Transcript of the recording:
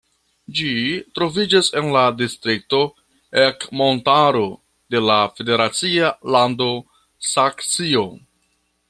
Ĝi troviĝas en la distrikto Ercmontaro de la federacia lando Saksio.